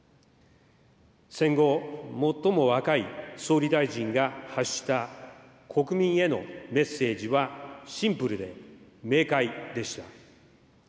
戦後、最も若い総理大臣が発した国民へのメッセージは、シンプルで明快でした。